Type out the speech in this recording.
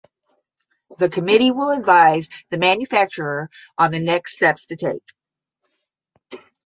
The committee will advise the manufacturer on the next steps to take.